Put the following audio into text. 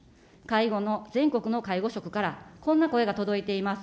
介護の全国の介護職から、こんな声が届いています。